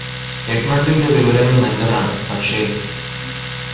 എഡ്മണ്ടിന്റെ വിവരങ്ങള് നല്ലതാണ് പക്ഷേ